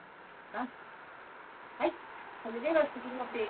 With his coauthor Knapowski he proved results concerning Chebyshev's bias.